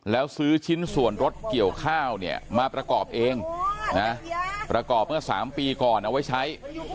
แล้วซื้อชิ้นส่วนรถเกี่ยวข้าวเนี่ยมาประกอบเองนะประกอบเมื่อ๓ปีก่อนเอาไว้ใช้